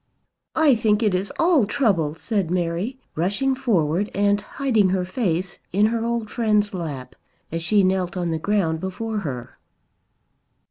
"I think it is all trouble," said Mary, rushing forward and hiding her face in her old friend's lap as she knelt on the ground before her.